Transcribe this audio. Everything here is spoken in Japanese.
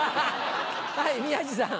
はい宮治さん。